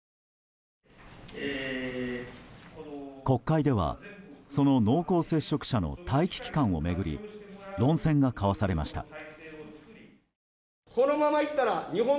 国会ではその濃厚接触者の待機期間を巡り論戦が交わされました。